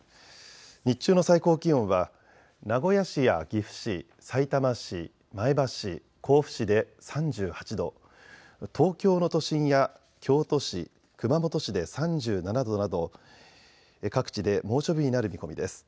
日中の最高気温は名古屋市や岐阜市、さいたま市、前橋市、甲府市で３８度、東京の都心や京都市、熊本市で３７度など各地で猛暑日になる見込みです。